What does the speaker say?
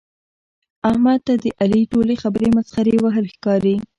احمد ته د علي ټولې خبرې مسخرې وهل ښکاري.